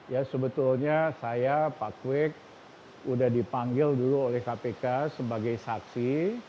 ya sebetulnya saya pak kwek sudah dipanggil dulu oleh kpk sebagai saksi